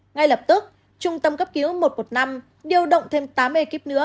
ngay lập tức trung tâm cấp cứu một trăm một mươi năm điều động thêm tám ekip nữa